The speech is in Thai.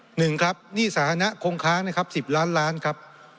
หนึ่งครับหนี้สาธารณะคงค้างนะครับสิบล้านล้านครับ